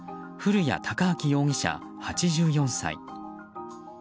古屋高明容疑者、８４歳。